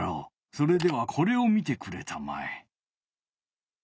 それではこれを見てくれたまえ。